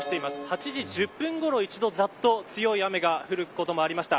８時１０分ごろ、一度ざっと強い雨が降ることもありました。